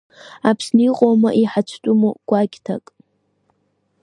Аԥсны иҟоума иҳацәтәыму кәакьҭак?